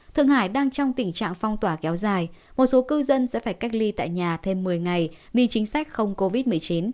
thượng hải đang trong tình trạng phong tỏa kéo dài một số cư dân sẽ phải cách ly tại nhà thêm một mươi ngày vì chính sách không covid một mươi chín